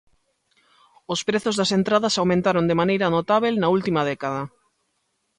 Os prezos das entradas aumentaron de maneira notábel na última década.